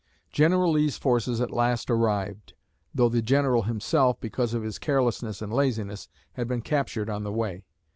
General Lee's forces at last arrived, though the General himself, because of his carelessness and laziness, had been captured on the way.